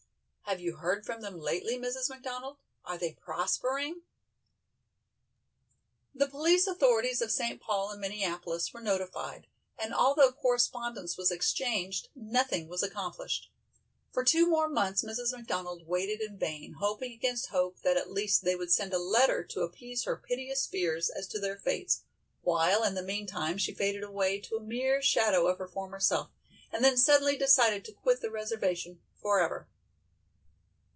Have you heard from them lately, Mrs. McDonald? Are they prospering?" The police authorities of Saint Paul and Minneapolis were notified, and although correspondence was exchanged, nothing was accomplished. For two more months Mrs. McDonald waited in vain, hoping against hope that at least they would send a letter to appease her piteous fears as to their fates, while in the meantime she faded away to a mere shadow of her former self, and then suddenly decided to quit the reservation forever.